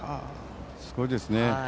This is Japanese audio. すごいですね。